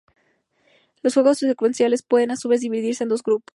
Los juegos secuenciales pueden, a su vez, dividirse en dos grupos.